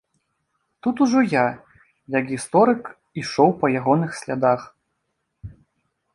Тут ужо я, як гісторык, ішоў па ягоных слядах.